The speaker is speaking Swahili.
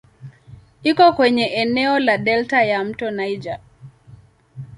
Iko kwenye eneo la delta ya "mto Niger".